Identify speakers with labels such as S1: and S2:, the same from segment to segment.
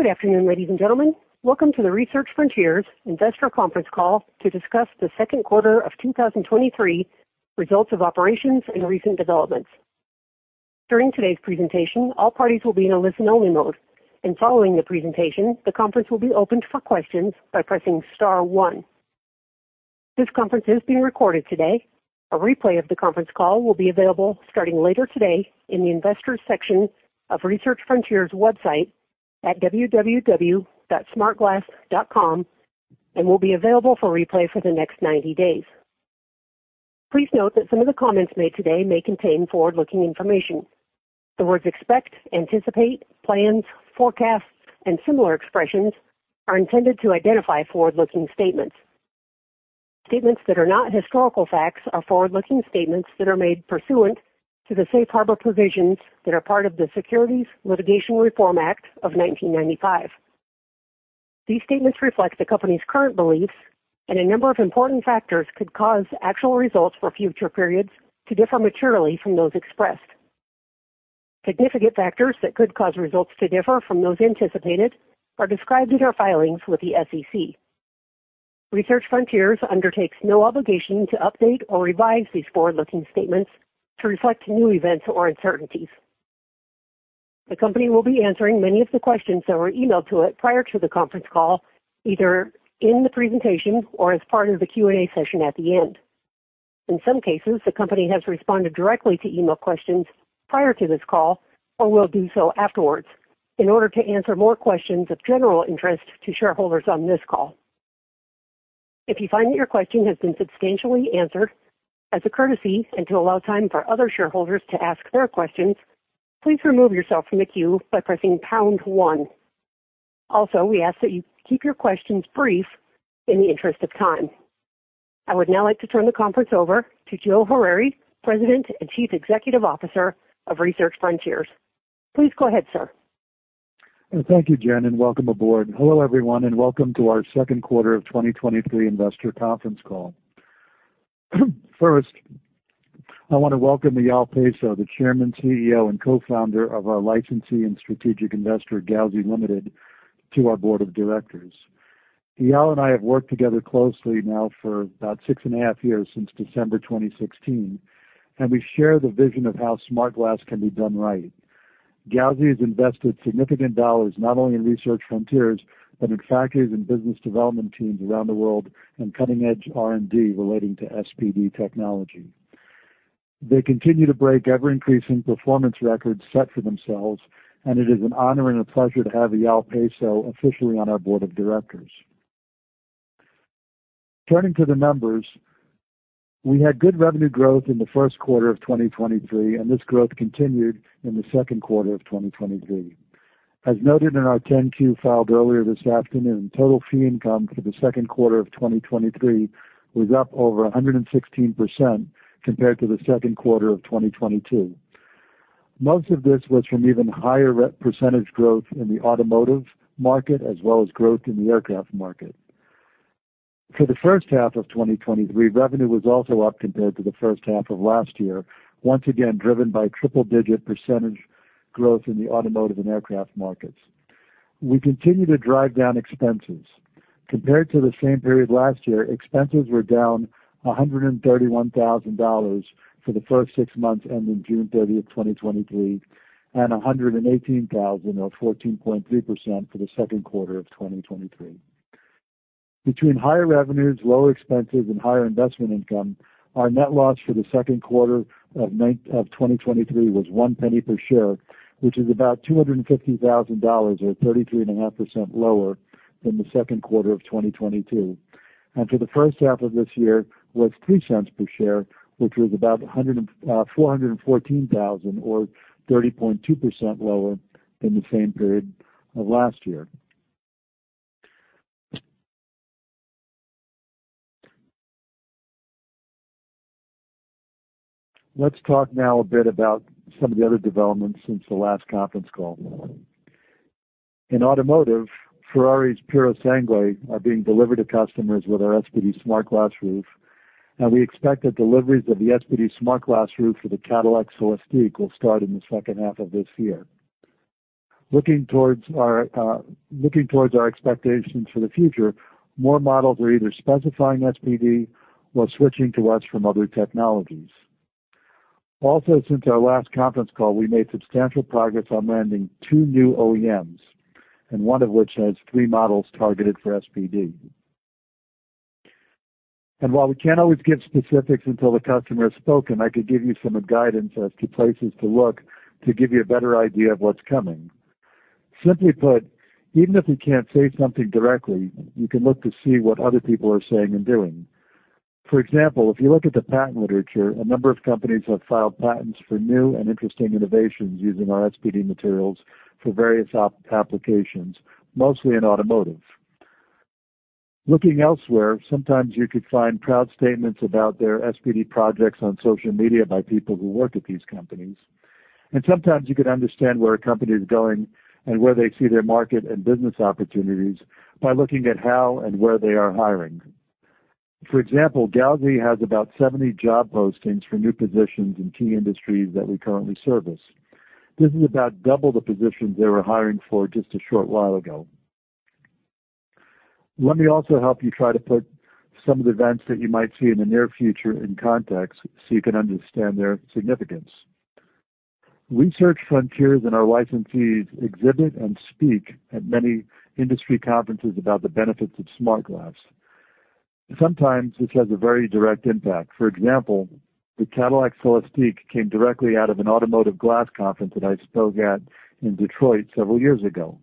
S1: Good afternoon, ladies and gentlemen. Welcome to the Research Frontiers Investor Conference Call to discuss the second quarter of 2023 results of operations and recent developments. During today's presentation, all parties will be in a listen-only mode. Following the presentation, the conference will be opened for questions by pressing star one. This conference is being recorded today. A replay of the conference call will be available starting later today in the Investors section of Research Frontiers' website at www.smartglass.com and will be available for replay for the next 90 days. Please note that some of the comments made today may contain forward-looking information. The words expect, anticipate, plans, forecasts, and similar expressions are intended to identify forward-looking statements. Statements that are not historical facts are forward-looking statements that are made pursuant to the Safe Harbor Provisions that are part of the Securities Litigation Reform Act of 1995. These statements reflect the company's current beliefs, and a number of important factors could cause actual results for future periods to differ materially from those expressed. Significant factors that could cause results to differ from those anticipated are described in our filings with the SEC. Research Frontiers undertakes no obligation to update or revise these forward-looking statements to reflect new events or uncertainties. The company will be answering many of the questions that were emailed to it prior to the conference call, either in the presentation or as part of the Q&A session at the end. In some cases, the company has responded directly to email questions prior to this call or will do so afterwards in order to answer more questions of general interest to shareholders on this call. If you find that your question has been substantially answered, as a courtesy and to allow time for other shareholders to ask their questions, please remove yourself from the queue by pressing pound one. Also, we ask that you keep your questions brief in the interest of time. I would now like to turn the conference over to Joe Harary, President and Chief Executive Officer of Research Frontiers. Please go ahead, sir.
S2: Thank you, Jen, and welcome aboard. Hello, everyone, and welcome to our second quarter of 2023 investor conference call. First, I want to welcome Eyal Peso, the Chairman, CEO, and Co-Founder of our licensee and strategic investor, Gauzy Limited, to our board of directors. Eyal and I have worked together closely now for about six and a half years, since December 2016, and we share the vision of how smart glass can be done right. Gauzy has invested significant dollars, not only in Research Frontiers, but in factories and business development teams around the world, and cutting-edge R&D relating to SPD technology. They continue to break ever-increasing performance records set for themselves, and it is an honor and a pleasure to have Eyal Peso officially on our board of directors. Turning to the numbers, we had good revenue growth in the first quarter of 2023. This growth continued in the second quarter of 2023. As noted in our Form 10-Q filed earlier this afternoon, total fee income for the second quarter of 2023 was up over 116% compared to the second quarter of 2022. Most of this was from even higher percentage growth in the automotive market as well as growth in the aircraft market. For the first half of 2023, revenue was also up compared to the first half of last year, once again driven by triple-digit % growth in the automotive and aircraft markets. We continue to drive down expenses. Compared to the same period last year, expenses were down $131,000 for the first six months, ending June 30, 2023, and $118,000, or 14.3%, for the second quarter of 2023. Between higher revenues, lower expenses, and higher investment income, our net loss for the second quarter of 2023 was $0.01 per share, which is about $250,000, or 33.5% lower than the second quarter of 2022. For the first half of this year was $0.02 per share, which was about $414,000, or 30.2% lower than the same period of last year. Let's talk now a bit about some of the other developments since the last conference call. In automotive, Ferrari's Purosangue are being delivered to customers with our SPD-SmartGlass roof, and we expect that deliveries of the SPD-SmartGlass roof for the Cadillac Celestiq will start in the 2nd half of this year. Looking towards our, looking towards our expectations for the future, more models are either specifying SPD or switching to us from other technologies. Also, since our last conference call, we made substantial progress on landing two new OEMs, and one of which has three models targeted for SPD. And while we can't always give specifics until the customer has spoken, I could give you some guidance as to places to look to give you a better idea of what's coming. Simply put, even if we can't say something directly, you can look to see what other people are saying and doing. For example, if you look at the patent literature, a number of companies have filed patents for new and interesting innovations using our SPD materials for various applications, mostly in automotive. Looking elsewhere, sometimes you could find proud statements about their SPD projects on social media by people who work at these companies. Sometimes you can understand where a company is going and where they see their market and business opportunities by looking at how and where they are hiring. For example, Gauzy has about 70 job postings for new positions in key industries that we currently service. This is about double the positions they were hiring for just a short while ago. Let me also help you try to put some of the events that you might see in the near future in context, so you can understand their significance. Research Frontiers and our licensees exhibit and speak at many industry conferences about the benefits of smart glass. Sometimes this has a very direct impact. For example, the Cadillac Celestiq came directly out of an automotive glass conference that I spoke at in Detroit several years ago.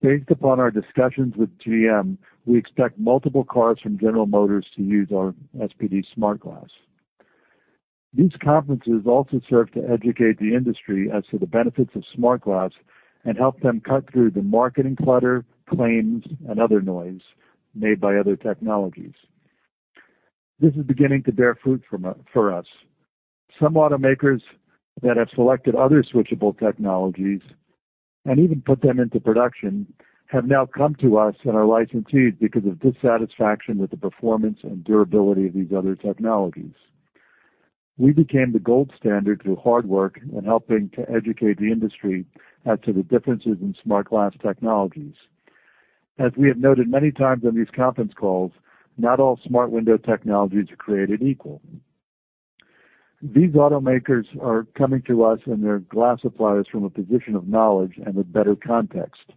S2: Based upon our discussions with GM, we expect multiple cars from General Motors to use our SPD-SmartGlass. These conferences also serve to educate the industry as to the benefits of smart glass and help them cut through the marketing clutter, claims, and other noise made by other technologies. This is beginning to bear fruit from us, for us. Some automakers that have selected other switchable technologies, and even put them into production, have now come to us and our licensees because of dissatisfaction with the performance and durability of these other technologies. We became the gold standard through hard work and helping to educate the industry as to the differences in smart glass technologies. As we have noted many times on these conference calls, not all smart window technologies are created equal. These automakers are coming to us and their glass suppliers from a position of knowledge and with better context.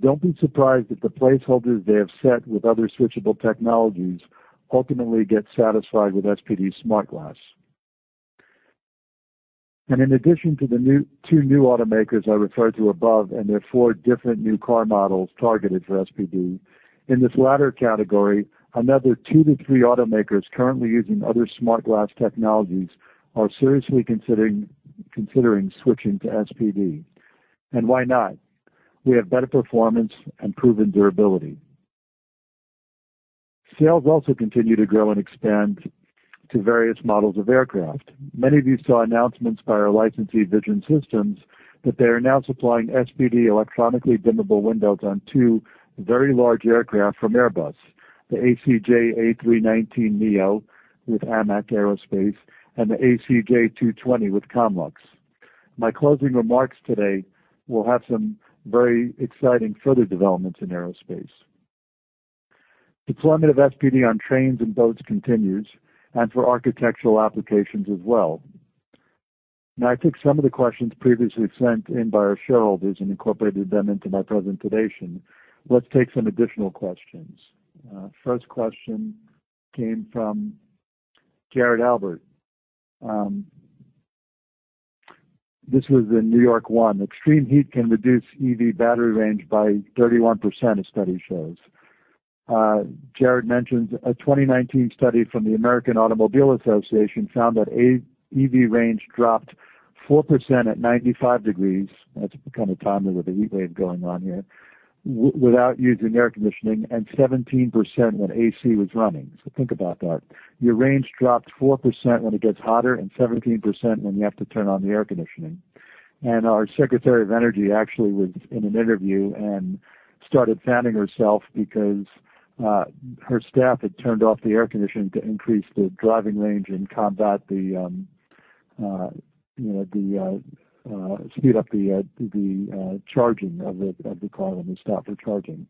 S2: Don't be surprised if the placeholders they have set with other switchable technologies ultimately get satisfied with SPD-SmartGlass. In addition to the 2 new automakers I referred to above, and their four different new car models targeted for SPD, in this latter category, another two to three automakers currently using other smart glass technologies are seriously considering switching to SPD. Why not? We have better performance and proven durability. Sales also continue to grow and expand to various models of aircraft. Many of you saw announcements by our licensee, Vision Systems, that they are now supplying SPD electronically dimmable windows on two very large aircraft from Airbus, the ACJ319neo with AMAC Aerospace and the ACJ TwoTwenty with Comlux. My closing remarks today will have some very exciting further developments in aerospace. Deployment of SPD on trains and boats continues, and for architectural applications as well. I took some of the questions previously sent in by our shareholders and incorporated them into my presentation. Let's take some additional questions. First question came from Jared Albert. This was in NY1. Extreme heat can reduce EV battery range by 31%, a study shows. Jared mentions a 2019 study from the American Automobile Association found that EV range dropped 4% at 95 degrees, that's kind of timely with the heat wave going on here, without using air conditioning, and 17% when AC was running. Think about that. Your range drops 4% when it gets hotter and 17% when you have to turn on the air conditioning. Our Secretary of Energy actually was in an interview and started fanning herself because her staff had turned off the air conditioning to increase the driving range and combat the, you know, the speed up the charging of the car when they stopped for charging.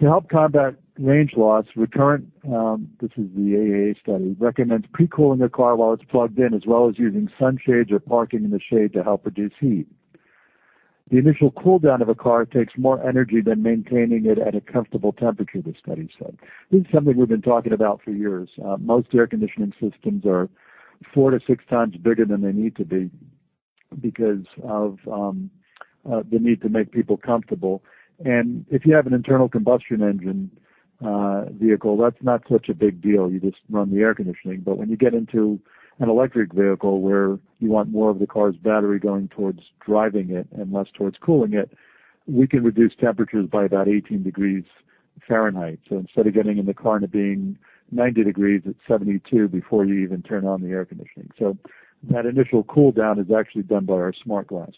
S2: To help combat range loss, Recurrent, this is the AAA study, recommends pre-cooling your car while it's plugged in, as well as using sunshades or parking in the shade to help reduce heat. The initial cool down of a car takes more energy than maintaining it at a comfortable temperature, the study said. This is something we've been talking about for years. Most air conditioning systems are four to six times bigger than they need to be because of the need to make people comfortable. If you have an internal combustion engine vehicle, that's not such a big deal. You just run the air conditioning. When you get into an electric vehicle where you want more of the car's battery going towards driving it and less towards cooling it, we can reduce temperatures by about 18 degrees Fahrenheit. Instead of getting in the car and it being 90 degrees, it's 72 before you even turn on the air conditioning. That initial cool down is actually done by our smart glass.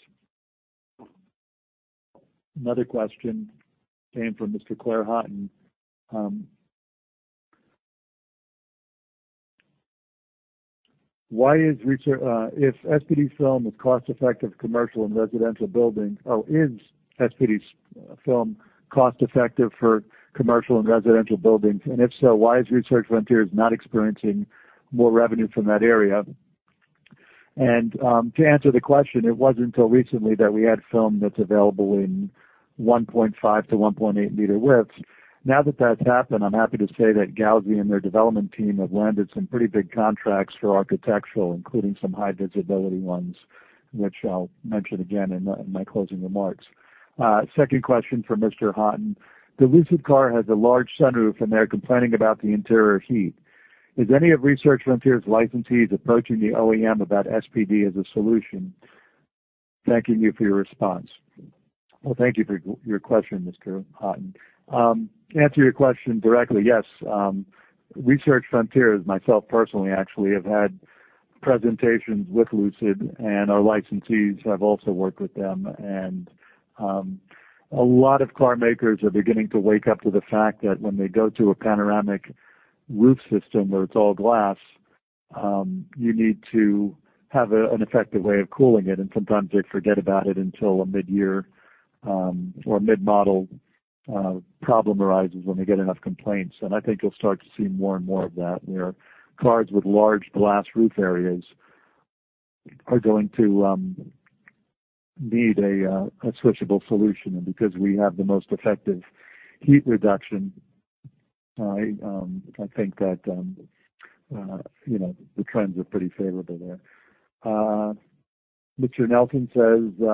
S2: Another question came from Mr. Claire Houghton. "Why is if SPD film is cost effective commercial and residential buildings, is SPD's film cost effective for commercial and residential buildings? If so, why is Research Frontiers not experiencing more revenue from that area?" To answer the question, it wasn't until recently that we had film that's available in 1.5-1.8 meter widths. Now that that's happened, I'm happy to say that Gauzy and their development team have landed some pretty big contracts for architectural, including some high visibility ones, which I'll mention again in my, in my closing remarks. Second question from Mr. Houghton. The Lucid car has a large sunroof, and they're complaining about the interior heat. Is any of Research Frontiers' licensees approaching the OEM about SPD as a solution? Thanking you for your response. Well, thank you for your question, Mr. Houghton. To answer your question directly, yes, Research Frontiers, myself personally, actually, have had presentations with Lucid, our licensees have also worked with them. A lot of car makers are beginning to wake up to the fact that when they go to a panoramic roof system, where it's all glass, you need to have an effective way of cooling it, and sometimes they forget about it until a midyear, or a mid-model, problem arises when they get enough complaints. I think you'll start to see more and more of that, where cars with large glass roof areas are going to need a switchable solution. Because we have the most effective heat reduction, I think that, you know, the trends are pretty favorable there. Mr. Nelson says,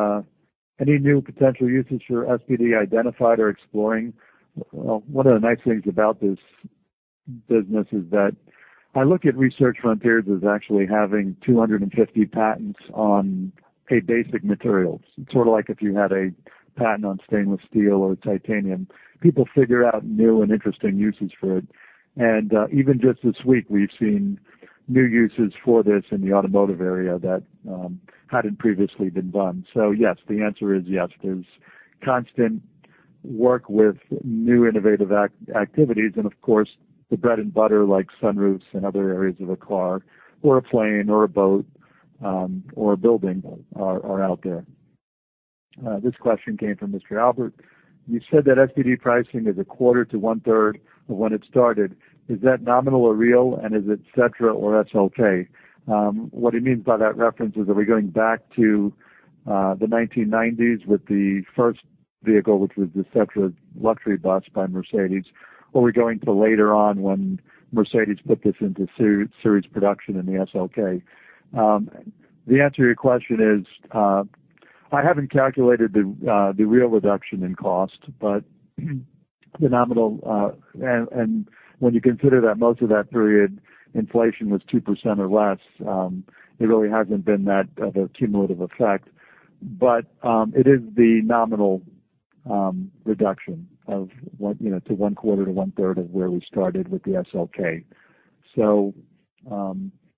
S2: "Any new potential usage for SPD identified or exploring?" Well, one of the nice things about this business is that I look at Research Frontiers as actually having 250 patents on a basic material. It's sort of like if you had a patent on stainless steel or titanium. People figure out new and interesting uses for it. Even just this week, we've seen new uses for this in the automotive area that hadn't previously been done. Yes, the answer is yes. There's constant work with new innovative activities. Of course, the bread and butter, like sunroofs and other areas of a car or a plane or a boat, or a building are out there. This question came from Mr. Albert: "You said that SPD pricing is 1/4 to 1/3 of when it started. Is that nominal or real, and is it Setra or SLK?" What he means by that reference is, are we going back to the 1990s with the first vehicle, which was the Setra luxury bus by Mercedes, or are we going to later on when Mercedes put this into series production in the SLK? The answer to your question is, I haven't calculated the real reduction in cost, but the nominal... When you consider that most of that period, inflation was 2% or less, it really hasn't been that of a cumulative effect. It is the nominal reduction of what, you know, to one quarter to one third of where we started with the SLK.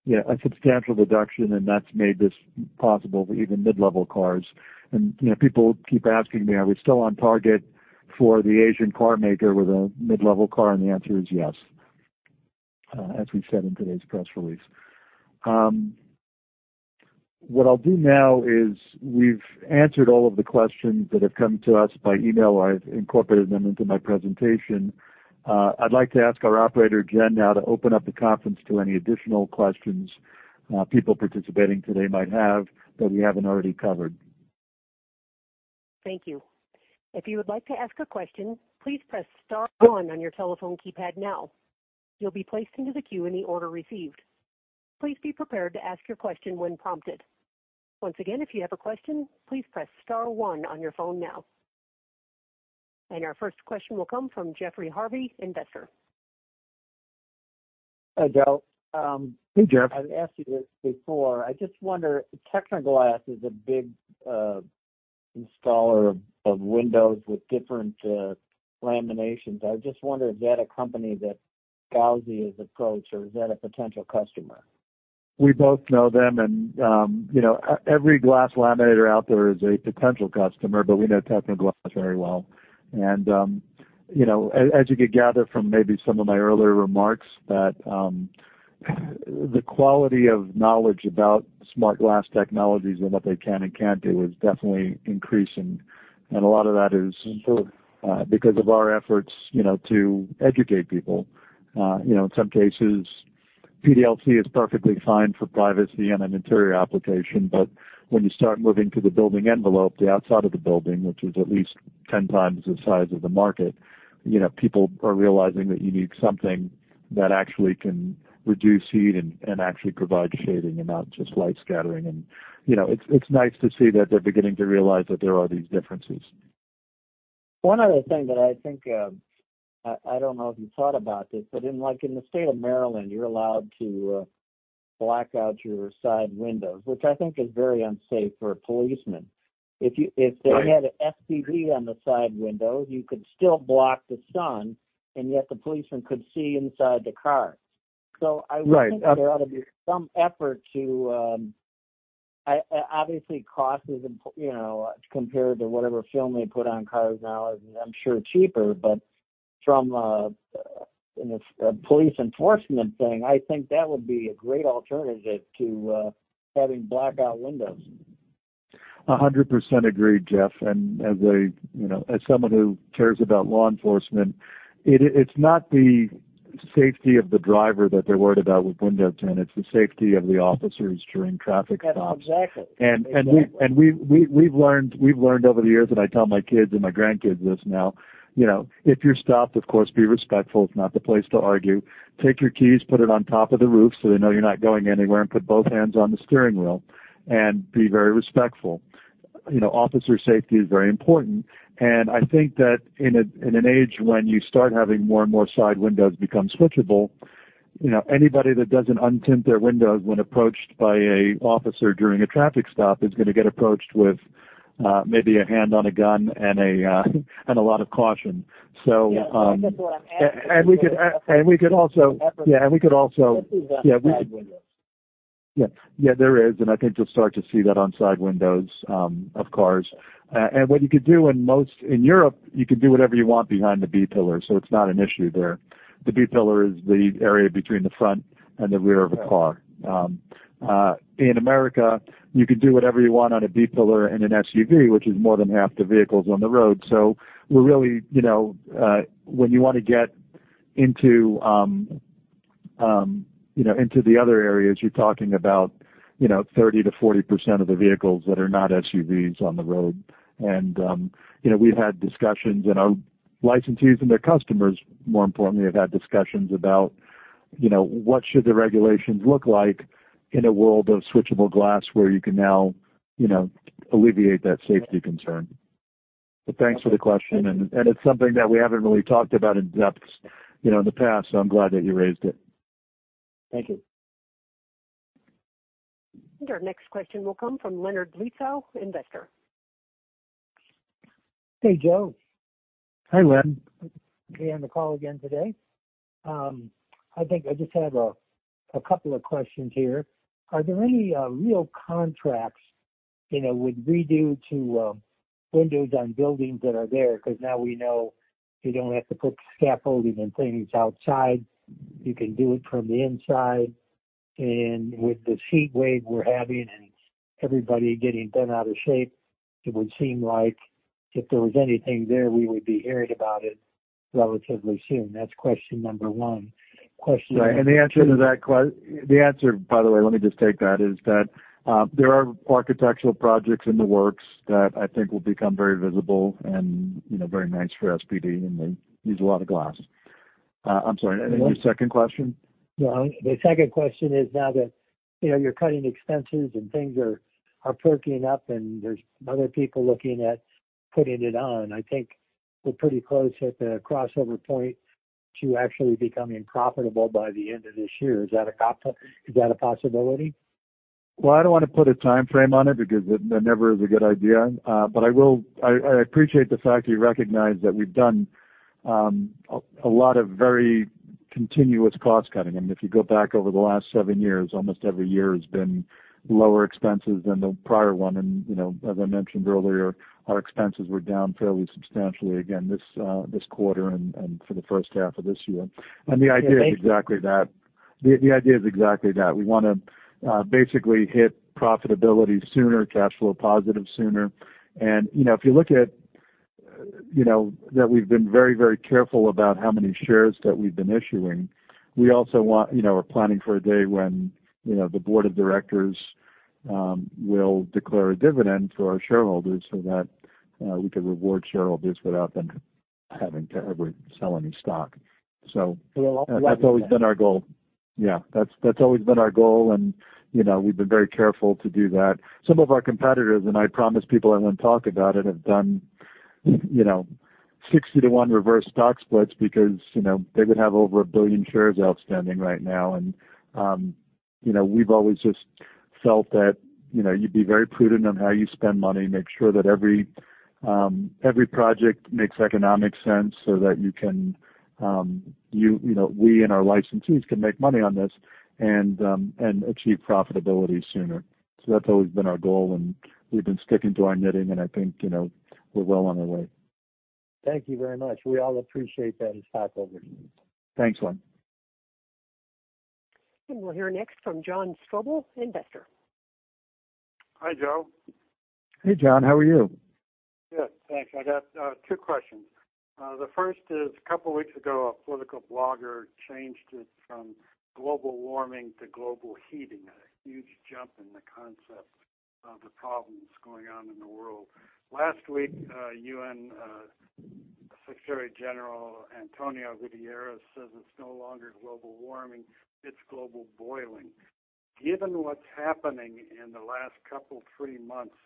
S2: Yeah, a substantial reduction, and that's made this possible for even mid-level cars. You know, people keep asking me, are we still on target for the Asian car maker with a mid-level car? The answer is yes, as we've said in today's press release. What I'll do now is we've answered all of the questions that have come to us by email. I've incorporated them into my presentation. I'd like to ask our operator, Jen, now to open up the conference to any additional questions, people participating today might have, that we haven't already covered.
S1: Thank you. If you would like to ask a question, please press star one on your telephone keypad now. You'll be placed into the queue in the order received. Please be prepared to ask your question when prompted. Once again, if you have a question, please press star 1 on your phone now. Our 1st question will come from Jeffrey Harvey, investor. Hi, Joe.
S2: Hey, Jeff. I've asked you this before. I just wonder, Tecnoglass is a big installer of windows with different laminations. I just wonder, is that a company that Gauzy has approached, or is that a potential customer? We both know them, you know, every glass laminator out there is a potential customer, but we know Tecnoglass very well. You know, as, as you could gather from maybe some of my earlier remarks, that the quality of knowledge about smart-glass technologies and what they can and can't do is definitely increasing. A lot of that is because of our efforts, you know, to educate people. You know, in some cases, PDLC is perfectly fine for privacy and an interior application, but when you start moving to the building envelope, the outside of the building, which is at least 10 times the size of the market, you know, people are realizing that you need something that actually can reduce heat and actually provide shading and not just light scattering. you know, it's, it's nice to see that they're beginning to realize that there are these differences. One other thing that I think, I, I don't know if you thought about this, but in, like, in the state of Maryland, you're allowed to, black out your side windows, which I think is very unsafe for a policeman. If you... Right. If they had an SPD on the side window, you could still block the sun, and yet the policeman could see inside the car. Right. I would think that there ought to be some effort to, I, obviously, cost is important, you know, compared to whatever film they put on cars now, is I'm sure, cheaper. But from a, you know, a police enforcement thing, I think that would be a great alternative to having blackout windows. 100% agreed, Jeff. As a, you know, as someone who cares about law enforcement, it's not the safety of the driver that they're worried about with window tint, it's the safety of the officers during traffic stops. Exactly. And, and we- Exactly. We've, we, we've learned, we've learned over the years, and I tell my kids and my grandkids this now, you know, if you're stopped, of course, be respectful. It's not the place to argue. Take your keys, put it on top of the roof so they know you're not going anywhere, and put both hands on the steering wheel. Be very respectful. You know, officer safety is very important, and I think that in a, in an age when you start having more and more side windows become switchable, you know, anybody that doesn't un-tint their windows when approached by a officer during a traffic stop, is going to get approached with maybe a hand on a gun and a lot of caution. Yeah, that's what I'm asking. and we could also. Yeah, we could also. Side window. Yeah. Yeah, there is, and I think you'll start to see that on side windows of cars. What you could do in Europe, you can do whatever you want behind the B-pillar, so it's not an issue there. The B-pillar is the area between the front and the rear of a car. In America, you can do whatever you want on a B-pillar and an SUV, which is more than half the vehicles on the road. We're really, you know, when you want to get into, you know, into the other areas, you're talking about, you know, 30%-40% of the vehicles that are not SUVs on the road. You know, we've had discussions, and our licensees and their customers, more importantly, have had discussions about, you know, what should the regulations look like in a world of switchable glass, where you can now, you know, alleviate that safety concern. Thanks for the question, and it's something that we haven't really talked about in depth, you know, in the past, so I'm glad that you raised it. Thank you.
S1: Our next question will come from Leonard Blundo, investor. Hey, Joe.
S2: Hi, Len. Good to be on the call again today. I think I just have a couple of questions here. Are there any real contracts, you know, with redo to windows on buildings that are there? Because now we know you don't have to put scaffolding and things outside, you can do it from the inside. With this heat wave we're having and everybody getting bent out of shape, it would seem like if there was anything there, we would be hearing about it relatively soon. That's question number one. Question- The answer to that The answer, by the way, let me just take that, is that, there are architectural projects in the works that I think will become very visible and, you know, very nice for SPD, and they use a lot of glass. I'm sorry, your second question? The second question is, now that, you know, you're cutting expenses and things are perking up, and there's other people looking at putting it on, I think we're pretty close at the crossover point to actually becoming profitable by the end of this year. Is that a possibility? Well, I don't want to put a timeframe on it because it, that never is a good idea. I, I appreciate the fact you recognize that we've done a lot of very continuous cost cutting. I mean, if you go back over the last seven years, almost every year has been lower expenses than the prior one. You know, as I mentioned earlier, our expenses were down fairly substantially again, this quarter and for the first half of this year. Yeah, thank you. The idea is exactly that. The idea is exactly that. We wanna basically hit profitability sooner, cash flow positive sooner. You know, if you look at, you know, that we've been very, very careful about how many shares that we've been issuing. We also want, you know, are planning for a day when, you know, the board of directors will declare a dividend to our shareholders so that we can reward shareholders without them having to ever sell any stock. Well- That's always been our goal. Yeah, that's, that's always been our goal, and, you know, we've been very careful to do that. Some of our competitors, and I promise people I wouldn't talk about it, have done, you know, 60 to one reverse stock splits because, you know, they would have over one billion shares outstanding right now. you know, we've always just felt that, you know, you'd be very prudent on how you spend money, make sure that every project makes economic sense so that you can, you, you know, we and our licensees can make money on this and achieve profitability sooner. That's always been our goal, and we've been sticking to our knitting and I think, you know, we're well on our way. Thank you very much. We all appreciate that as stockholders. Thanks, Len.
S1: We'll hear next from John Stroebel, investor. Hi, Joe.
S2: Hey, John, how are you? Good, thanks. I got two questions. The first is, a couple weeks ago, a political blogger changed it from global warming to global heating, a huge jump in the concept of the problems going on in the world. Last week, UN Secretary General António Guterres says it's no longer global warming, it's global boiling. Given what's happening in the last couple, three months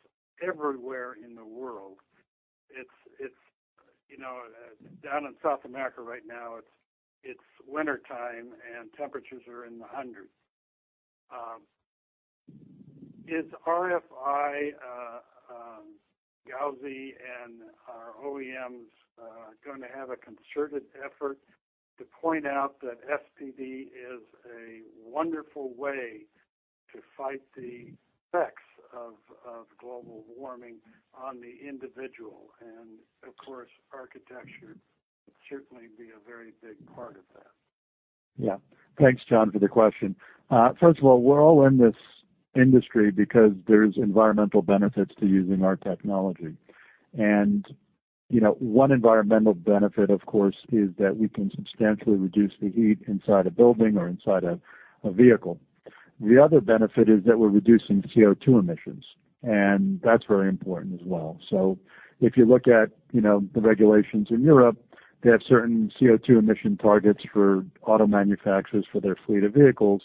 S2: everywhere in the world, it's, it's, you know, down in South America right now, it's, it's wintertime, and temperatures are in the hundreds. Is RFI Gauzy and our OEMs going to have a concerted effort to point out that SPD is a wonderful way to fight the effects of, of global warming on the individual? Of course, architecture would certainly be a very big part of that. Yeah. Thanks, John, for the question. First of all, we're all in this industry because there's environmental benefits to using our technology. You know, one environmental benefit, of course, is that we can substantially reduce the heat inside a building or inside a vehicle. The other benefit is that we're reducing CO2 emissions, that's very important as well. If you look at, you know, the regulations in Europe, they have certain CO2 emission targets for auto manufacturers for their fleet of vehicles,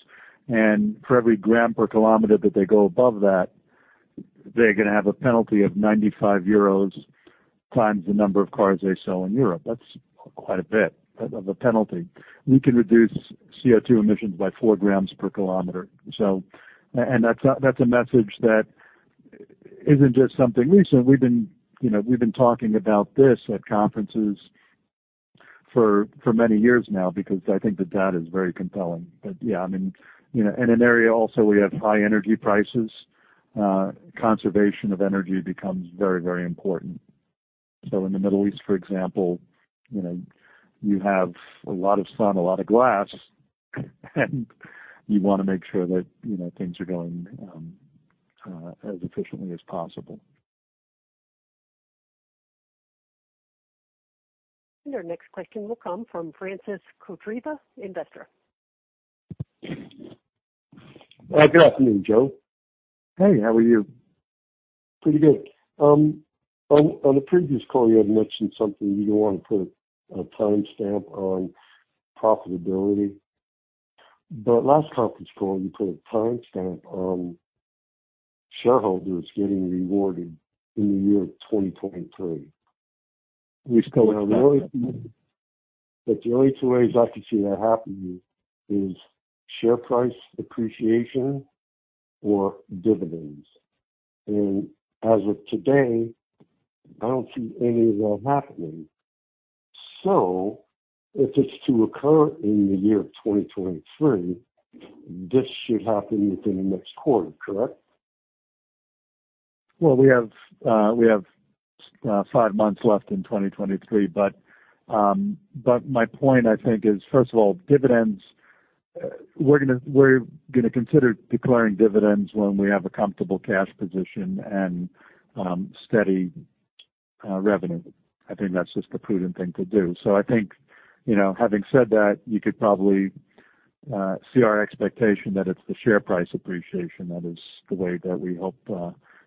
S2: and for every gram per kilometer that they go above that, they're gonna have a penalty of 95 euros times the number of cars they sell in Europe. That's quite a bit of a penalty. We can reduce CO2 emissions by four grams per kilometer. That's a message that isn't just something recent. We've been, you know, we've been talking about this at conferences for, for many years now because I think the data is very compelling. Yeah, I mean, you know, in an area also where you have high energy prices, conservation of energy becomes very, very important. In the Middle East, for example, you know, you have a lot of sun, a lot of glass, and you want to make sure that, you know, things are going as efficiently as possible.
S1: Our next question will come from Francis Cutrupi, investor.
S3: Good afternoon, Joe.
S2: Hey, how are you?
S3: Pretty good. On the previous call, you had mentioned something, you don't want to put a timestamp on profitability. Last conference call, you put a timestamp on shareholders getting rewarded in the year 2023.
S2: We still-
S3: The only two ways I could see that happening is share price appreciation or dividends. As of today, I don't see any of that happening. If it's to occur in the year 2023, this should happen within the next quarter, correct?
S2: Well, we have, we have, five months left in 2023, but my point, I think, is, first of all, dividends, we're gonna consider declaring dividends when we have a comfortable cash position and, steady, revenue. I think that's just the prudent thing to do. I think, you know, having said that, you could probably, see our expectation that it's the share price appreciation that is the way that we hope,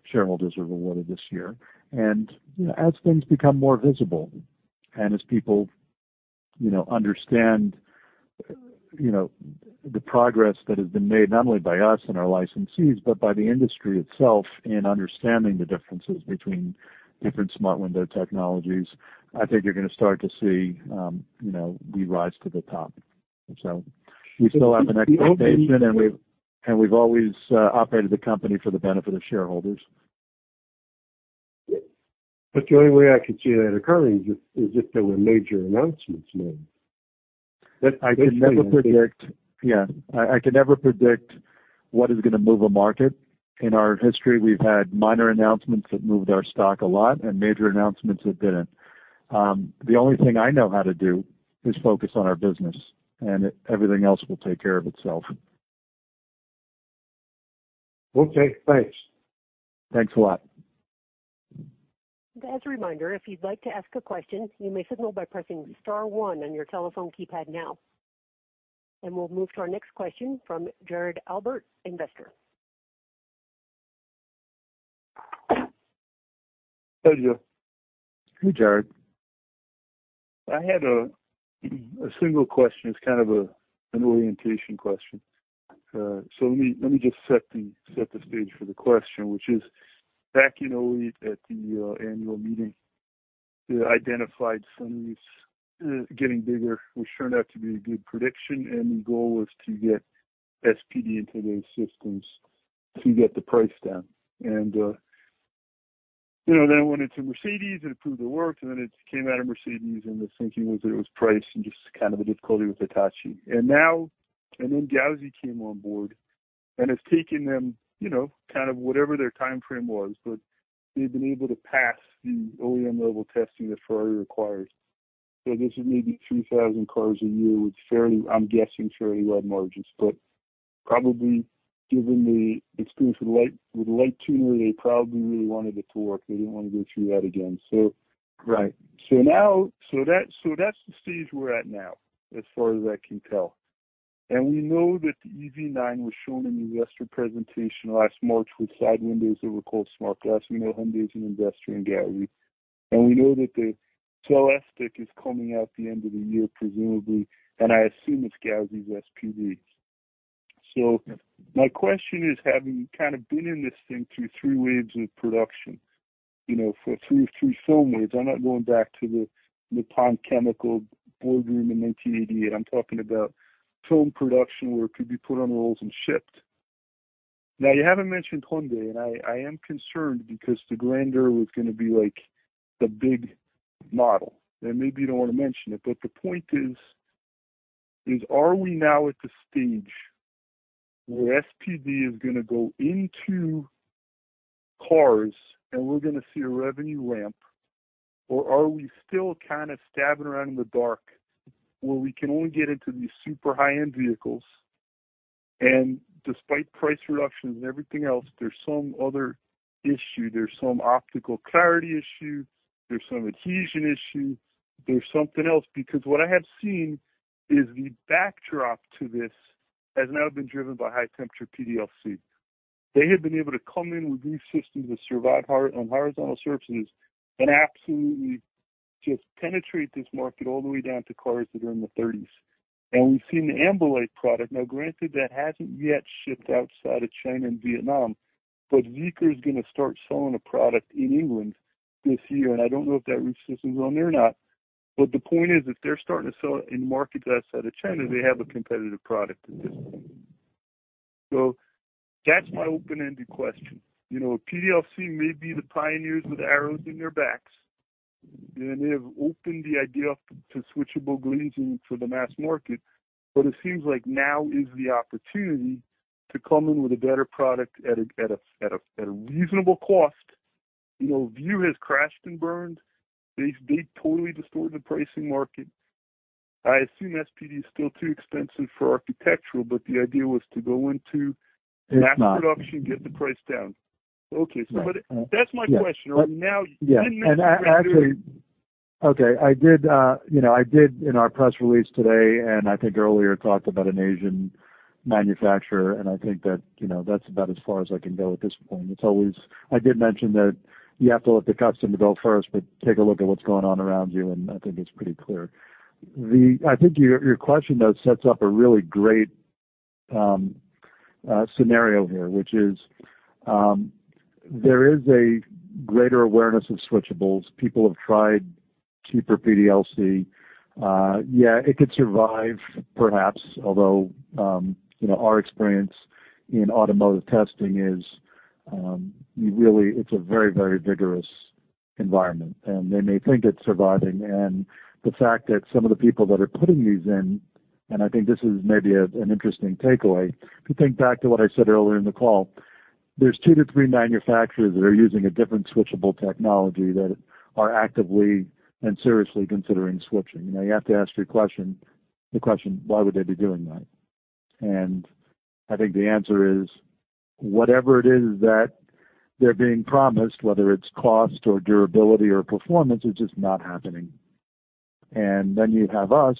S2: shareholders are rewarded this year. You know, as things become more visible and as people, you know, understand, you know, the progress that has been made, not only by us and our licensees, but by the industry itself in understanding the differences between different smart window technologies, I think you're gonna start to see, you know, we rise to the top. We still have an expectation, and we've, and we've always operated the company for the benefit of shareholders.
S3: The only way I could see that occurring is, is if there were major announcements made.
S2: I can never predict. Yeah, I, I can never predict what is gonna move a market. In our history, we've had minor announcements that moved our stock a lot and major announcements that didn't. The only thing I know how to do is focus on our business. Everything else will take care of itself.
S3: Okay, thanks.
S2: Thanks a lot.
S1: As a reminder, if you'd like to ask a question, you may signal by pressing star 1 on your telephone keypad now. We'll move to our next question from Jared Albert, investor. Hi, Joe.
S2: Hey, Jared. I had a, a single question. It's kind of a, an orientation question. So let me, let me just set the, set the stage for the question, which is, back in 2008 at the annual meeting, you identified sunroofs getting bigger, which turned out to be a good prediction. The goal was to get SPD into those systems to get the price down. Then it went into Mercedes-Benz, it proved it worked. Then it came out of Mercedes-Benz. The thinking was that it was price and just kind of a difficulty with Hitachi, Ltd. Now, and then Gauzy came on board. It's taken them, you know, kind of whatever their timeframe was, but they've been able to pass the OEM level testing that Ferrari requires. This is maybe 2,000 cars a year with fairly, I'm guessing, fairly wide margins, but probably given the experience with light, with light-tuning, they probably really wanted it to work. They didn't want to go through that again, so. Right. Now, so that, so that's the stage we're at now, as far as I can tell. We know that the EV9 was shown in the investor presentation last March with side windows that were called smart glass. We know Hyundai is an investor in Gauzy, and we know that the Celestiq is coming out at the end of the year, presumably, and I assume it's Gauzy's SPDs. My question is, having kind of been in this thing through three waves of production, you know, for through, through film waves, I'm not going back to the Nippon Chemical boardroom in 1988. I'm talking about film production where it could be put on rolls and shipped. You haven't mentioned Hyundai, and I, I am concerned because the Grandeur was gonna be, like, the big model, and maybe you don't want to mention it. The point is, is are we now at the stage where SPD is gonna go into cars, and we're gonna see a revenue ramp, or are we still kind of stabbing around in the dark, where we can only get into these super high-end vehicles, and despite price reductions and everything else, there's some other issue, there's some optical clarity issue, there's some adhesion issue, there's something else? What I have seen is the backdrop to this has now been driven by high-temperature PDLC. They have been able to come in with these systems that survive on horizontal surfaces and just penetrate this market all the way down to cars that are in the thirties. We've seen the Ambilight product. Now, granted, that hasn't yet shipped outside of China and Vietnam, but ZEEKR is going to start selling a product in England this year, and I don't know if that roof system is on there or not. The point is, if they're starting to sell it in markets outside of China, they have a competitive product at this point. That's my open-ended question. You know, PDLC may be the pioneers with arrows in their backs, and they have opened the idea up to switchable glazing for the mass market. It seems like now is the opportunity to come in with a better product at a reasonable cost. You know, View has crashed and burned. They, they totally distorted the pricing market. I assume SPD is still too expensive for architectural, but the idea was to go into- It's not. mass production, get the price down. Okay, so but that's my question. Yeah. Now- Yeah, and actually, Okay, I did, you know, I did in our press release today, and I think earlier talked about an Asian manufacturer, and I think that, you know, that's about as far as I can go at this point. It's always. I did mention that you have to let the customer go first, but take a look at what's going on around you, and I think it's pretty clear. I think your, your question, though, sets up a really great scenario here, which is, there is a greater awareness of switchables. People have tried cheaper PDLC. Yeah, it could survive, perhaps, although, you know, our experience in automotive testing is, you really, it's a very, very vigorous environment, and they may think it's surviving. The fact that some of the people that are putting these in, and I think this is maybe an interesting takeaway, if you think back to what I said earlier in the call, there's 2 to 3 manufacturers that are using a different switchable technology that are actively and seriously considering switching. You have to ask your question, the question: Why would they be doing that? I think the answer is, whatever it is that they're being promised, whether it's cost or durability or performance, it's just not happening. Then you have us,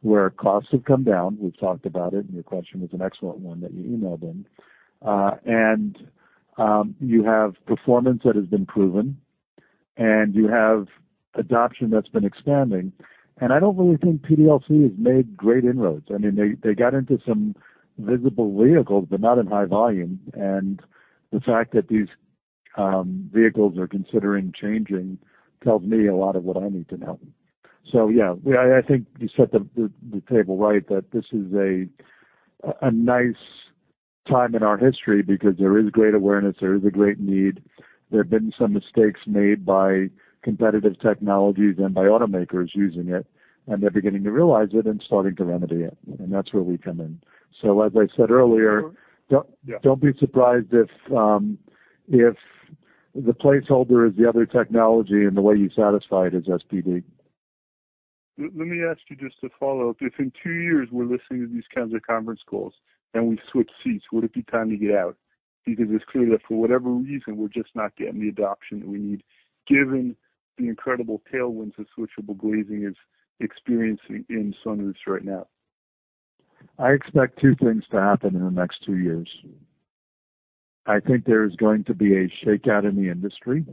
S2: where costs have come down. We've talked about it, and your question is an excellent one that you emailed in. You have performance that has been proven, and you have adoption that's been expanding, and I don't really think PDLC has made great inroads. I mean, they, they got into some visible vehicles, but not in high volume. The fact that these vehicles are considering changing tells me a lot of what I need to know. Yeah, I, I think you set the, the, the table right, that this is a, a nice time in our history because there is great awareness, there is a great need. There have been some mistakes made by competitive technologies and by automakers using it, and they're beginning to realize it and starting to remedy it, and that's where we come in. As I said earlier... Yeah. Don't be surprised if, if the placeholder is the other technology, and the way you satisfy it is SPD. Let me ask you just to follow up. If in 2 years, we're listening to these kinds of conference calls and we've switched seats, would it be time to get out? Because it's clear that for whatever reason, we're just not getting the adoption that we need, given the incredible tailwinds that switchable glazing is experiencing in sunroofs right now. I expect two things to happen in the next two years. I think there is going to be a shakeout in the industry.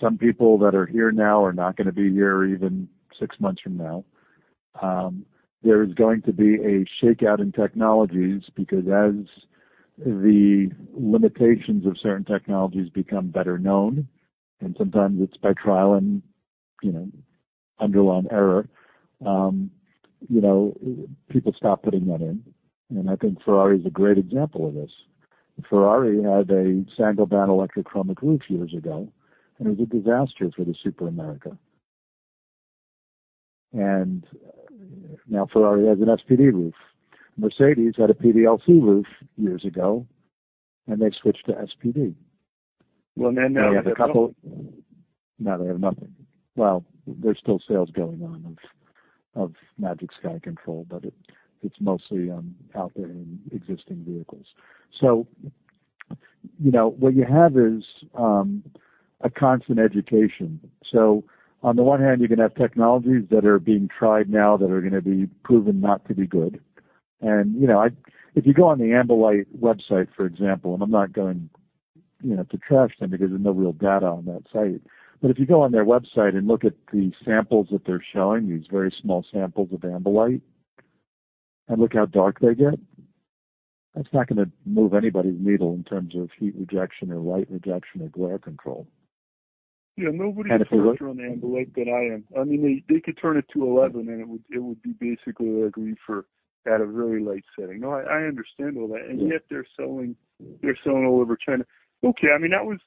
S2: Some people that are here now are not going to be here even six months from now. There is going to be a shakeout in technologies, because as the limitations of certain technologies become better known, and sometimes it's by trial and, you know, under trial and error, people stop putting that in. I think Ferrari is a great example of this. Ferrari had a uncertain electrochromic roof years ago, and it was a disaster for the Superamerica. Now Ferrari has an SPD roof. Mercedes had a PDLC roof years ago, and they switched to SPD. Well, now they have a couple- They have nothing. There's still sales going on of, of MAGIC SKY CONTROL, but it, it's mostly out there in existing vehicles. You know, what you have is a constant education. On the one hand, you can have technologies that are being tried now, that are going to be proven not to be good. You know, I-- if you go on the Ambilight website, for example, and I'm not going, you know, to trash them because there's no real data on that site. If you go on their website and look at the samples that they're showing, these very small samples of Ambilight, and look how dark they get, that's not going to move anybody's needle in terms of heat rejection or light rejection or glare control. Yeah, nobody is working. If it were-. -on Ambilight that I am. I mean, they, they could turn it to 11, and it would, it would be basically like roofer at a very light setting. No, I, I understand all that, and yet they're selling, they're selling all over China. Okay. I mean, that was,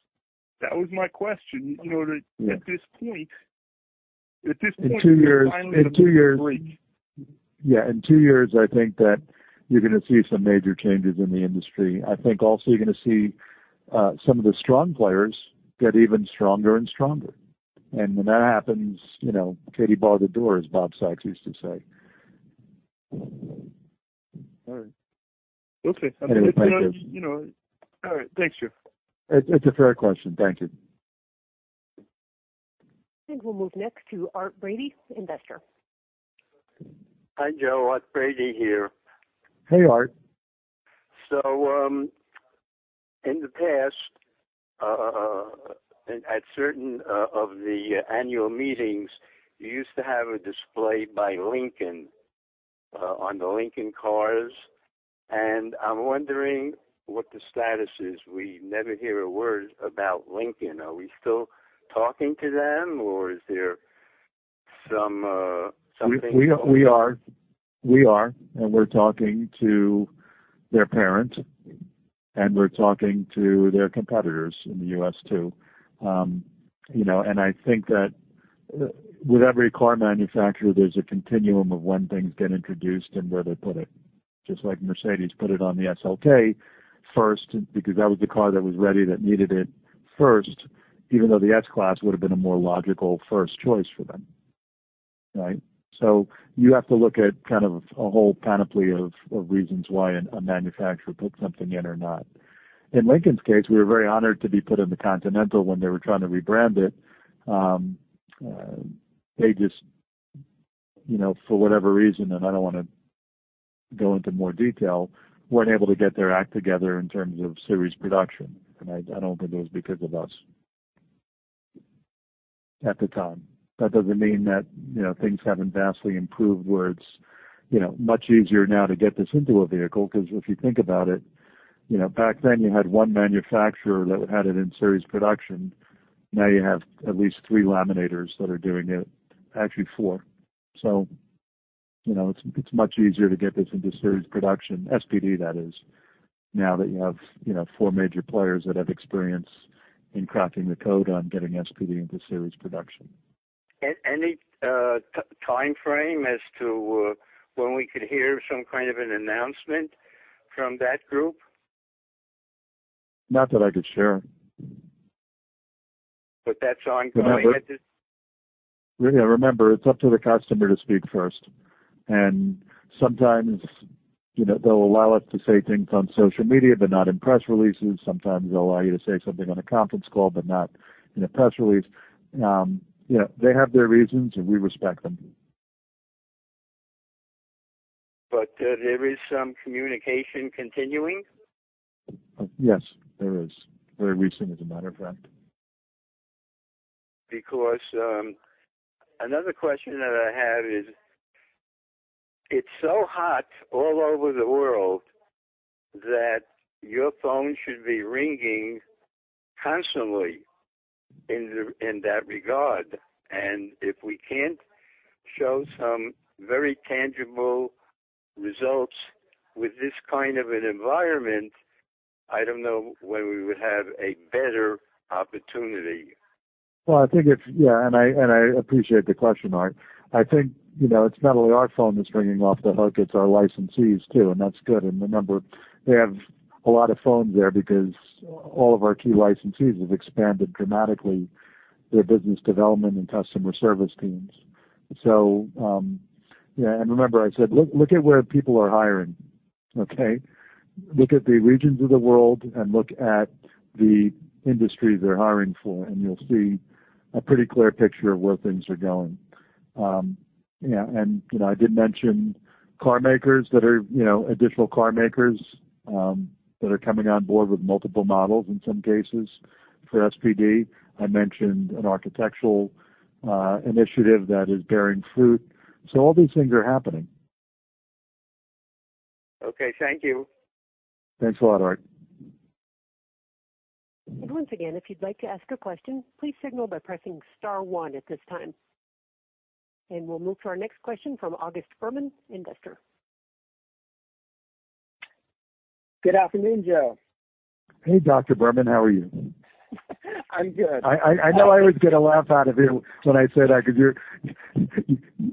S2: that was my question, you know, to- Yeah. at this point, at this point In 2 years. Finally, in 2 years. Yeah, in 2 years, I think that you're going to see some major changes in the industry. I think also you're going to see, some of the strong players get even stronger and stronger. When that happens, you know, Katie, bar the door, as Bob Saxe used to say. All right. Okay. Thank you. You know. All right. Thanks, Jeff. It's, it's a fair question. Thank you.
S1: I think we'll move next to Art Brady, investor. Hi, Joe. Art Brady here.
S2: Hey, Art. In the past, at certain of the annual meetings, you used to have a display by Lincoln, on the Lincoln cars, and I'm wondering what the status is. We never hear a word about Lincoln. Are we still talking to them, or is there some, something- We, we are. We are, we're talking to their parent, we're talking to their competitors in the U.S. too. You know, I think that with every car manufacturer, there's a continuum of when things get introduced and where they put it. Just like Mercedes put it on the SLK first, because that was the car that was ready, that needed it first, even though the S-Class would have been a more logical first choice for them, right? You have to look at kind of a whole panoply of, of reasons why a manufacturer put something in or not. In Lincoln's case, we were very honored to be put in the Continental when they were trying to rebrand it. They just, you know, for whatever reason, and I don't want to go into more detail, weren't able to get their act together in terms of series production. I, I don't think it was because of us at the time. That doesn't mean that, you know, things haven't vastly improved, where it's, you know, much easier now to get this into a vehicle. Because if you think about it, you know, back then, you had one manufacturer that had it in series production. Now you have at least three laminators that are doing it. Actually, four. You know, it's, it's much easier to get this into series production, SPD that is, now that you have, you know, four major players that have experience in cracking the code on getting SPD into series production. Any timeframe as to when we could hear some kind of an announcement from that group? Not that I could share. That's ongoing? Remember, it's up to the customer to speak first, and sometimes, you know, they'll allow us to say things on social media, but not in press releases. Sometimes they'll allow you to say something on a conference call, but not in a press release. You know, they have their reasons, and we respect them. There is some communication continuing? Yes, there is. Very recent, as a matter of fact. Another question that I have is, it's so hot all over the world that your phone should be ringing constantly in, in that regard. If we can't show some very tangible results with this kind of an environment, I don't know when we would have a better opportunity. Well, I think. Yeah, I appreciate the question, Art. I think, you know, it's not only our phone that's ringing off the hook, it's our licensees too. That's good. Remember, they have a lot of phones there because all of our key licensees have expanded dramatically, their business development and customer service teams. Yeah, remember I said, look, look at where people are hiring, okay? Look at the regions of the world. Look at the industries they're hiring for. You'll see a pretty clear picture of where things are going. Yeah, you know, I did mention car makers that are, you know, additional car makers that are coming on board with multiple models, in some cases, for SPD. I mentioned an architectural initiative that is bearing fruit. All these things are happening. Okay. Thank you. Thanks a lot, Art.
S1: Once again, if you'd like to ask a question, please signal by pressing star 1 at this time. We'll move to our next question from August Berman, investor. Good afternoon, Joe.
S2: Hey, Dr. Berman, how are you? I'm good. I, I, I know I always get a laugh out of you when I say that, because you're,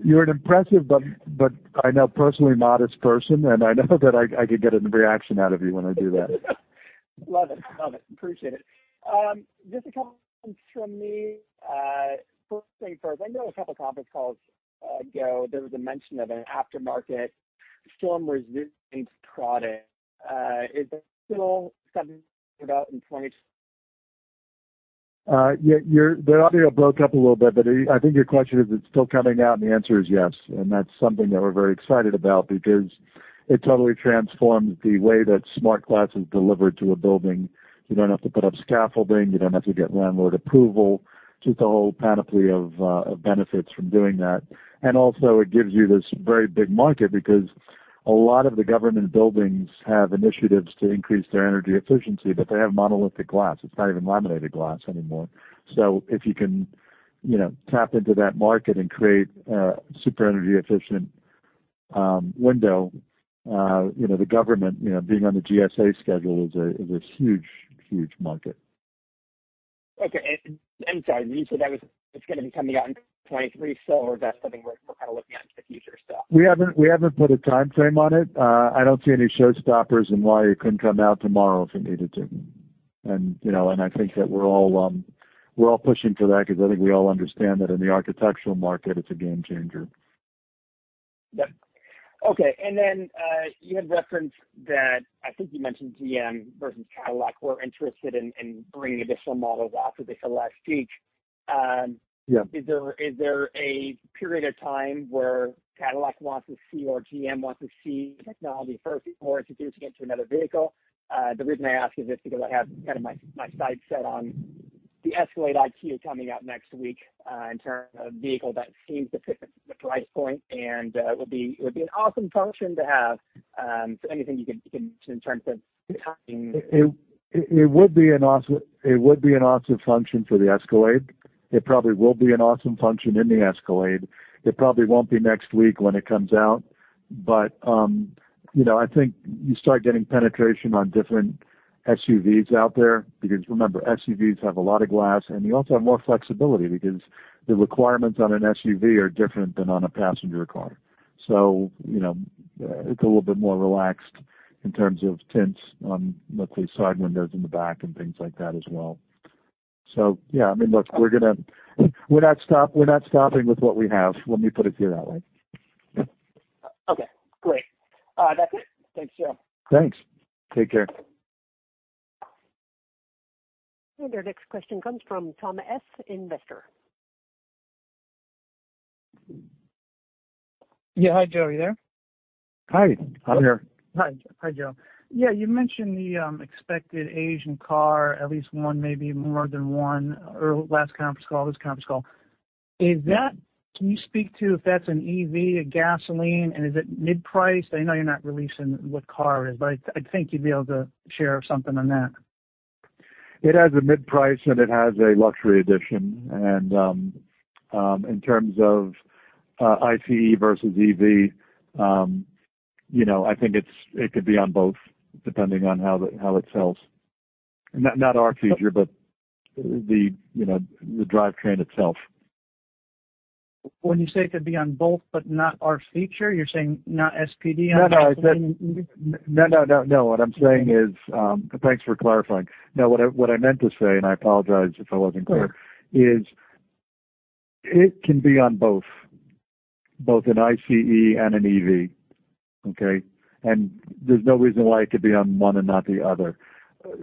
S2: you're an impressive, but, but I know personally modest person, and I know that I, I could get a reaction out of you when I do that. Love it. Love it. Appreciate it. Just a couple questions from me. First things first. I know a couple of conference calls, ago, there was a mention of an aftermarket uncertain. Is that still something about in twenty...? Yeah, you're... The audio broke up a little bit, I think your question is, it's still coming out, the answer is yes. That's something that we're very excited about because it totally transforms the way that smart glass is delivered to a building. You don't have to put up scaffolding. You don't have to get landlord approval. Just a whole panoply of benefits from doing that. Also it gives you this very big market, because a lot of the government buildings have initiatives to increase their energy efficiency, they have monolithic glass. It's not even laminated glass anymore. If you can, you know, tap into that market and create a super energy efficient window, you know, the government, you know, being on the GSA schedule is a, is a huge, huge market. Okay. I'm sorry, you said that was, it's going to be coming out in 2023, 2024? Or is that something we're, we're kind of looking at in the future? We haven't, we haven't put a timeframe on it. I don't see any showstoppers and why it couldn't come out tomorrow if it needed to. You know, and I think that we're all, we're all pushing for that, because I think we all understand that in the architectural market, it's a game changer. Yep. Okay, you had referenced that, I think you mentioned GM versus Cadillac. We're interested in, in bringing additional models off of this last week. Is there, is there a period of time where Cadillac wants to see or GM wants to see technology first before introducing it to another vehicle? The reason I ask is just because I have kind of my, my sights set on the Escalade IQ coming out next week, in terms of a vehicle that seems to fit the price point, and, it would be, it would be an awesome function to have. Anything you can, you can in terms of timing? It would be an awesome function for the Escalade. It probably will be an awesome function in the Escalade. It probably won't be next week when it comes out. You know, I think you start getting penetration on different SUVs out there, because remember, SUVs have a lot of glass, and you also have more flexibility because the requirements on an SUV are different than on a passenger car. You know, it's a little bit more relaxed in terms of tints on mostly side windows in the back and things like that as well. Yeah, I mean, look, we're gonna. We're not stopping with what we have, let me put it to you that way. Okay, great. That's it. Thanks, Joe. Thanks. Take care.
S1: Our next question comes from Tom S., investor. Yeah. Hi, Joe, are you there?
S2: Hi, I'm here. Hi. Hi, Joe. Yeah, you mentioned the expected Asian car, at least one, maybe more than one, last conference call, this conference call. Can you speak to if that's an EV, a gasoline, and is it mid-priced? I know you're not releasing what car it is. I, I think you'd be able to share something on that. It has a mid-price, and it has a luxury edition. In terms of ICE versus EV, you know, I think it could be on both, depending on how the, how it sells. Not, not our feature, but the, you know, the drivetrain itself. When you say it could be on both, but not our feature, you're saying not SPD on that? No, no, I said... No, no, no, no. What I'm saying is, thanks for clarifying. No, what I, what I meant to say, and I apologize if I wasn't clear- Sure... is it can be on both, both an ICE and an EV, okay? There's no reason why it could be on one and not the other.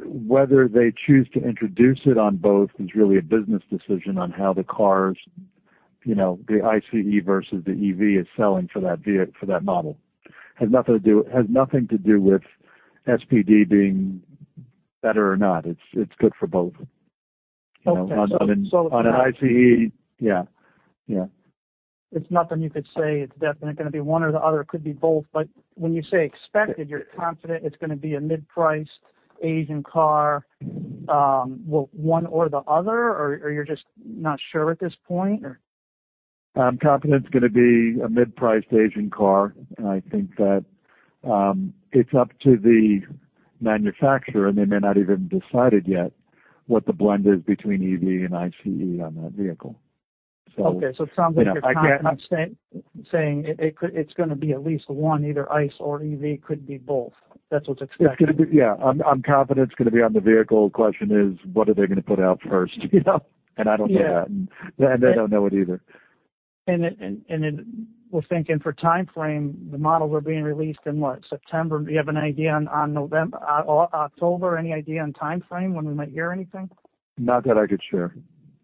S2: Whether they choose to introduce it on both is really a business decision on how the cars, you know, the ICE versus the EV is selling for that for that model. It has nothing to do it has nothing to do with SPD being better or not. It's, it's good for both. Okay. You know, on an ICE. Yeah, yeah. It's nothing you could say it's definitely gonna be one or the other, it could be both. When you say expected, you're confident it's gonna be a mid-priced Asian car, well, one or the other, or, or you're just not sure at this point, or? I'm confident it's gonna be a mid-priced Asian car. I think that, it's up to the manufacturer, and they may not even decided yet what the blend is between EV and ICE on that vehicle. Okay, it sounds like- You know, I can't- you're saying it, it's gonna be at least one, either ICE or EV, could be both. That's what's expected. It's gonna be... Yeah, I'm, I'm confident it's gonna be on the vehicle. The question is, what are they gonna put out first? You know, I don't know that. Yeah. They don't know it either. It, and, and then well, thinking for timeframe, the models are being released in what? September. Do you have an idea on, on Novemb- O- October? Any idea on timeframe when we might hear anything? Not that I could share.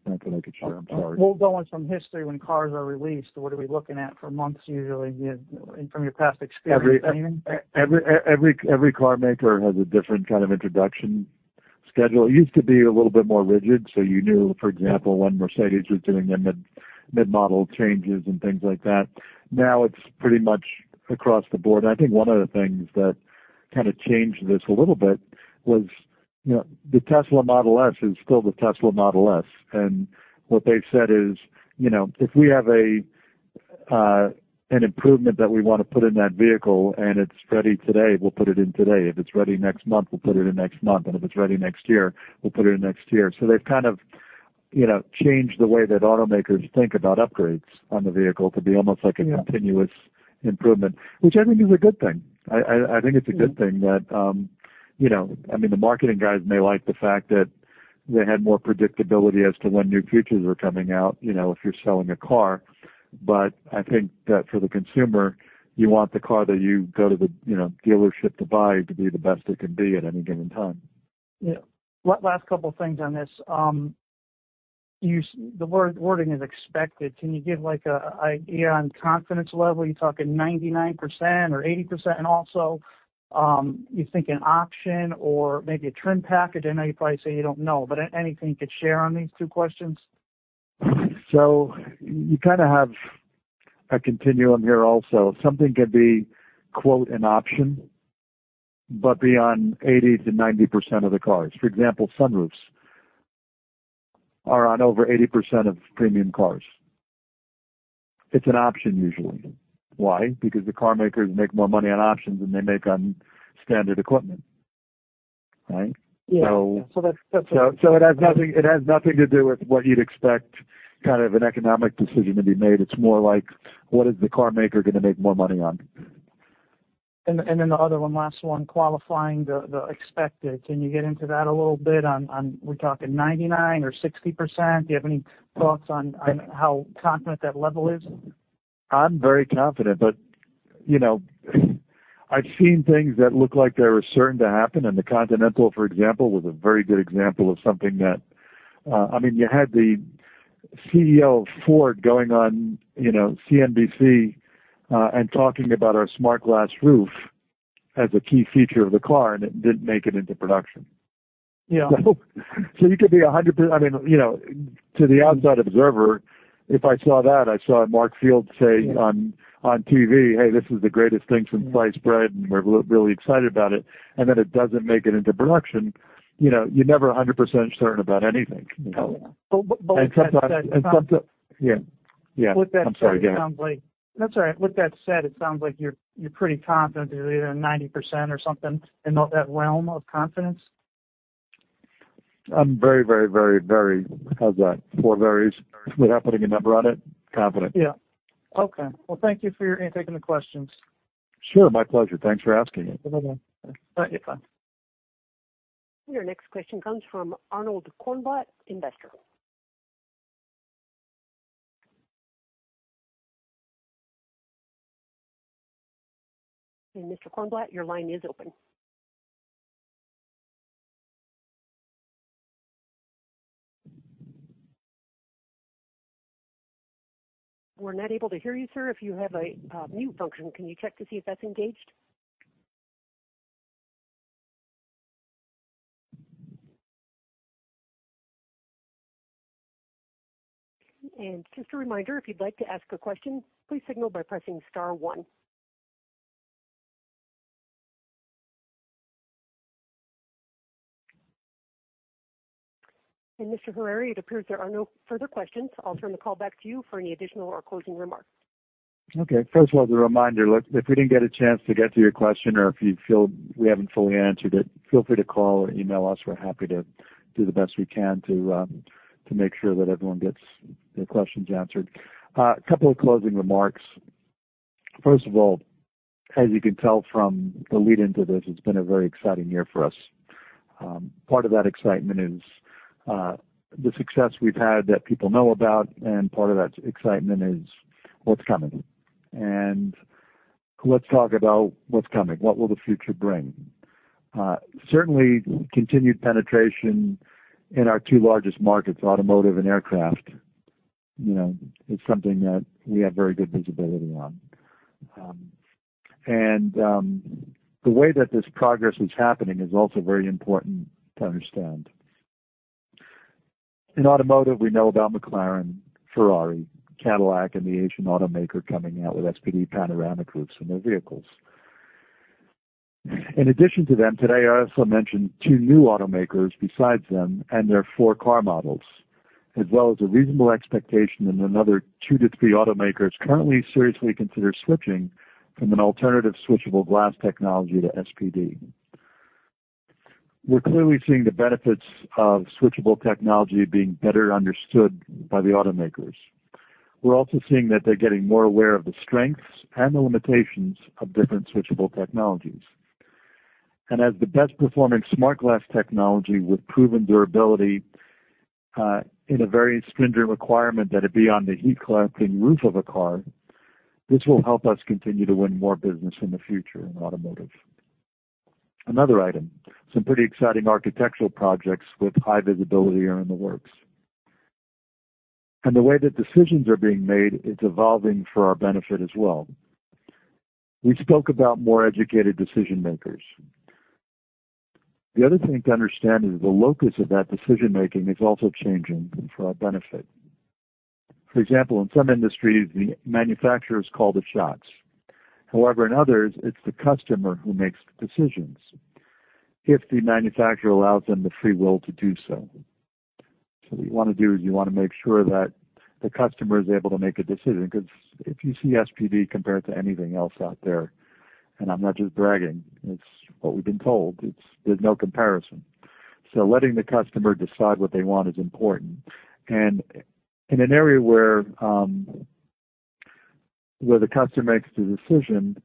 S2: Not that I could share, I'm sorry. We'll go on from history when cars are released, what are we looking at for months usually, you know, from your past experience, anything? Every, every, every, every car maker has a different kind of introduction schedule. It used to be a little bit more rigid, so you knew, for example, when Mercedes-Benz was doing their mid, mid-model changes and things like that, now it's pretty much across the board. I think one of the things that kind of changed this a little bit was, you know, the Tesla Model S is still the Tesla Model S, and what they've said is, you know, "If we have an improvement that we wanna put in that vehicle, and it's ready today, we'll put it in today. If it's ready next month, we'll put it in next month, and if it's ready next year, we'll put it in next year." So they've kind of, you know, changed the way that automakers think about upgrades on the vehicle to be almost like a- Yeah... continuous improvement, which I think is a good thing. I think it's a good thing that, you know, I mean, the marketing guys may like the fact that they had more predictability as to when new features were coming out, you know, if you're selling a car. I think that for the consumer, you want the car that you go to the, you know, dealership to buy to be the best it can be at any given time. Yeah. Last couple things on this. The word, wording is expected. Can you give, like, a, a idea on confidence level? Are you talking 99% or 80% also? You think an option or maybe a trim package? I know you probably say you don't know, but anything you could share on these two questions? You kind of have a continuum here also. Something can be, quote, "an option," but be on 80%-90% of the cars. For example, sunroofs are on over 80% of premium cars. It's an option usually. Why? Because the car makers make more money on options than they make on standard equipment, right? Yeah. So- that's, that's. So it has nothing, it has nothing to do with what you'd expect, kind of an economic decision to be made. It's more like, what is the car maker gonna make more money on? Then the other one, last one, qualifying the, the expected. Can you get into that a little bit? We're talking 99% or 60%? Do you have any thoughts on how confident that level is? I'm very confident. You know, I've seen things that look like they were certain to happen, and the Continental, for example, was a very good example of something that, I mean, you had the CEO of Ford going on, you know, CNBC, and talking about our smart glass roof as a key feature of the car. It didn't make it into production. Yeah. You could be 100%. I mean, you know, to the outside observer, if I saw that, I saw Mark Fields say on, on TV, "Hey, this is the greatest thing since sliced bread, and we're really excited about it," and then it doesn't make it into production. You know, you're never 100% certain about anything. But, but- Yeah. Yeah. With that. I'm sorry, go ahead. That's all right. With that said, it sounds like you're, you're pretty confident, either 90% or something in that realm of confidence? I'm very, very, very, very, how's that? Four verys, without putting a number on it, confident. Yeah. Okay. Well, thank you for your taking the questions. Sure. My pleasure. Thanks for asking it. Bye-bye. Thank you.
S1: Your next question comes from Arnold Cornblatt, investor. Mr. Cornblatt, your line is open. We're not able to hear you, sir. If you have a mute function, can you check to see if that's engaged? Just a reminder, if you'd like to ask a question, please signal by pressing star one. Mr. Harary, it appears there are no further questions. I'll turn the call back to you for any additional or closing remarks.
S2: Okay. First of all, as a reminder, look, if we didn't get a chance to get to your question, or if you feel we haven't fully answered it, feel free to call or email us. We're happy to do the best we can to make sure that everyone gets their questions answered. A couple of closing remarks. First of all, as you can tell from the lead into this, it's been a very exciting year for us. Part of that excitement is the success we've had that people know about, and part of that excitement is what's coming. Let's talk about what's coming. What will the future bring? Certainly continued penetration in our two largest markets, automotive and aircraft. You know, it's something that we have very good visibility on. The way that this progress is happening is also very important to understand. In automotive, we know about McLaren, Ferrari, Cadillac, and the Asian automaker coming out with SPD panoramic roofs in their vehicles. In addition to them, today, I also mentioned two new automakers besides them and their 4 car models, as well as a reasonable expectation in another two to three automakers currently seriously consider switching from an alternative switchable glass technology to SPD. We're clearly seeing the benefits of switchable technology being better understood by the automakers. We're also seeing that they're getting more aware of the strengths and the limitations of different switchable technologies. As the best performing smart glass technology with proven durability, in a very stringent requirement that it be on the heat collecting roof of a car, this will help us continue to win more business in the future in automotive. Another item, some pretty exciting architectural projects with high visibility are in the works. The way that decisions are being made, it's evolving for our benefit as well. We spoke about more educated decision makers. The other thing to understand is the locus of that decision making is also changing for our benefit. For example, in some industries, the manufacturers call the shots. However, in others, it's the customer who makes the decisions, if the manufacturer allows them the free will to do so. What you want to do is you want to make sure that the customer is able to make a decision, because if you see SPD compared to anything else out there, and I'm not just bragging, it's what we've been told. There's no comparison. Letting the customer decide what they want is important. In an area where, where the customer makes the decision,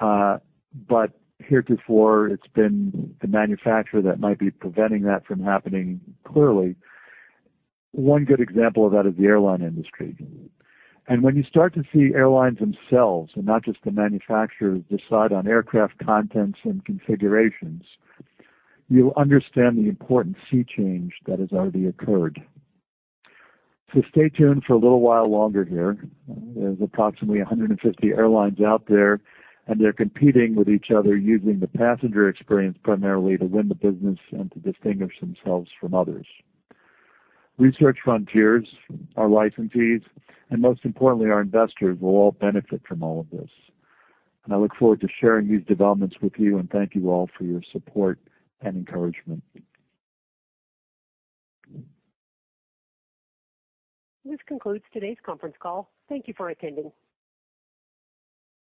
S2: but heretofore it's been the manufacturer that might be preventing that from happening clearly. One good example of that is the airline industry. When you start to see airlines themselves, and not just the manufacturers, decide on aircraft contents and configurations, you'll understand the important sea change that has already occurred. Stay tuned for a little while longer here. There's approximately 150 airlines out there, and they're competing with each other, using the passenger experience primarily to win the business and to distinguish themselves from others. Research Frontiers, our licensees, and most importantly, our investors, will all benefit from all of this. I look forward to sharing these developments with you, and thank you all for your support and encouragement.
S1: This concludes today's conference call. Thank you for attending.